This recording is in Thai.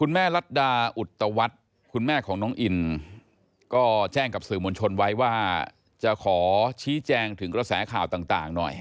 คุณแม่รัฐดาอุตวัฒน์คุณแม่ของน้องอินก็แจ้งกับสื่อมวลชนไว้ว่าจะขอชี้แจงถึงกระแสข่าวต่างหน่อย